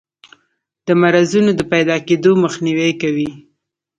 د مرضونو د پیداکیدو مخنیوی کوي.